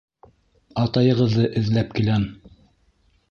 — Атайығыҙҙы эҙләп киләм.